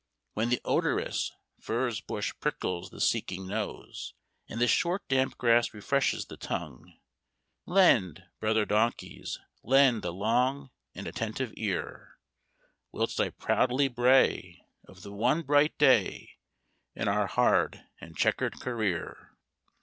When the odorous furze bush prickles the seeking nose, and the short damp grass refreshes the tongue, lend, Brother Donkeys, lend a long and attentive ear! Whilst I proudly bray Of the one bright day In our hard and chequered career.